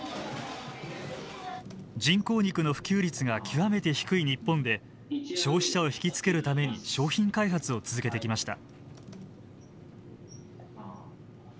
人工肉の普及率が極めて低い日本で消費者を引き付けるために商品開発を続けてきました。